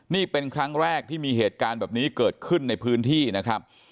นี่เป็นครั้งแรกที่มีเหตุการณ์แบบนี้เกิดขึ้นในพื้นที่นะครับ